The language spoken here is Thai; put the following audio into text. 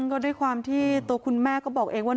ก็ด้วยความที่ตัวคุณแม่ก็บอกเองว่า